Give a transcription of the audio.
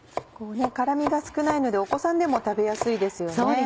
辛味が少ないのでお子さんでも食べやすいですよね。